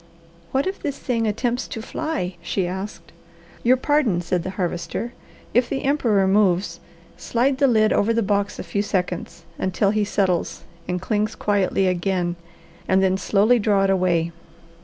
"What if this thing attempts to fly?" she asked. "Your pardon," said the Harvester. "If the emperor moves, slide the lid over the box a few seconds, until he settles and clings quietly again, and then slowly draw it away.